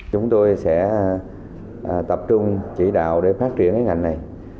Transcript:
chúng tôi sẽ tập trung chỉ đạo để phát triển cái ngành này